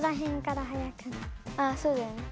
あそうだよね